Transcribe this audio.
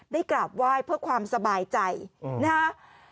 กราบไหว้เพื่อความสบายใจนะฮะ